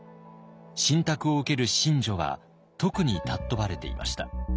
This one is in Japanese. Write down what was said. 神託を受ける神女は特に尊ばれていました。